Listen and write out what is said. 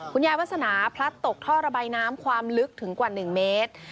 วาสนาพลัดตกท่อระบายน้ำความลึกถึงกว่า๑เมตร